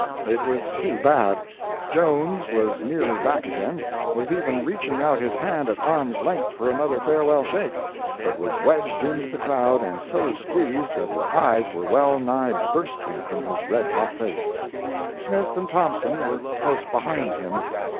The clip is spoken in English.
It was too bad. Jones was nearly back again—was even reaching out his hand at arm's length for another farewell shake—but was wedged into the crowd and so squeezed that his eyes were well nigh bursting from his red hot face; Smith and Thompson were close behind him.